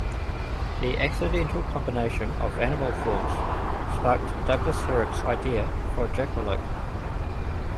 The accidental combination of animal forms sparked Douglas Herrick's idea for a jackalope.